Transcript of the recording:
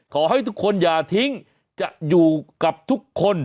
ขอให้ทุกคนอย่าทิ้งจะอยู่กับทุกคน